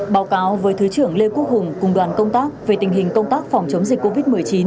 báo cáo với thứ trưởng lê quốc hùng cùng đoàn công tác về tình hình công tác phòng chống dịch covid một mươi chín